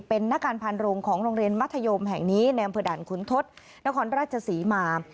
เป็นนักการพันโรงของโรงเรียนมัธยมแห่งนี้ในอำเภอด่านขุนทศนครราชศรีมา